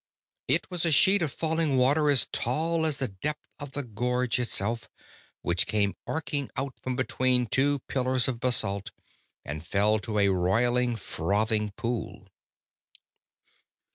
It was a sheet of falling water as tall as the depth of the gorge itself, which came arcing out from between two pillars of basalt and fell to a roiling, frothing pool.